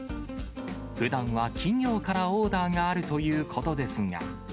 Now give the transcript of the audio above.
ふだんは企業からオーダーがあるということですが。